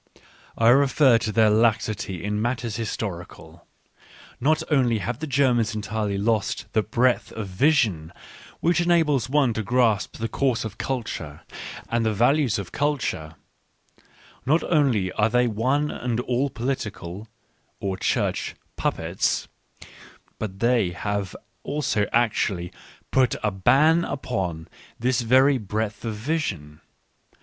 I refer to their laxity in matters historical. Not only have the Germans entirely lost the breadth of vision which enables one to grasp the course of cul ture and the values of culture ; not only are they one and all political (or Church) puppets ; but they have also actually put a ban upon this very breadth of vision.